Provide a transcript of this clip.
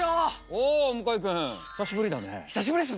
おお向井君久しぶりだね。